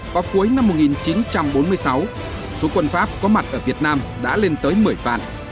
vào cuối năm một nghìn chín trăm bốn mươi sáu số quân pháp có mặt ở việt nam đã lên tới một mươi vạn